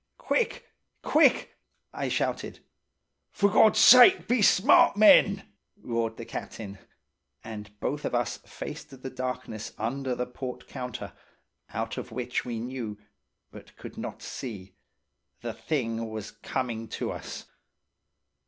"'Quick! Quick!' I shouted. "'For God's sake, be smart, men!' roared the captain. "And both of us faced the darkness under the port counter, out of which we knew–but could not see–the thing was coming to us.